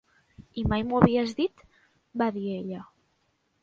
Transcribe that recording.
"I mai m'ho havies dit", va dir ella.